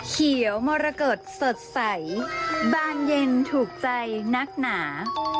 เขียวมรกฏสดใสบานเย็นถูกใจนักหนา